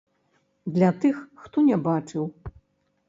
Для тых, хто не бачыў.